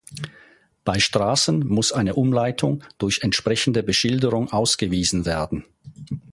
Bei Straßen muss eine Umleitung durch entsprechende Beschilderung ausgewiesen werden.